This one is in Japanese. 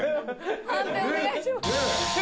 判定お願いします。